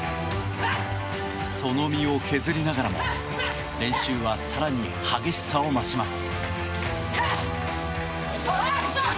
その身を削りながらも練習は更に激しさを増します。